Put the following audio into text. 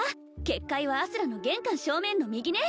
結界はあすらの玄関正面の右ね